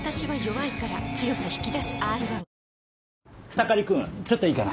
草刈君ちょっといいかな？